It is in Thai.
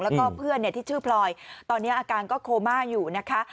แล้วก็เพื่อนที่ชื่อพลอยตอนนี้อาการก็โคม่าอยู่นะคะ